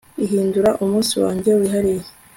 Ihindura umunsi wanjye wihariye